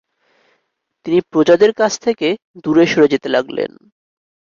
তিনি প্রজাদের কাছ থেকে দূরে সরে যেতে লাগলেন।